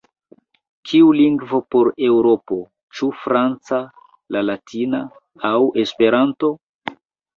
Kiu lingvo por Eŭropo: ĉu franca, la latina aŭ Esperanto?"“.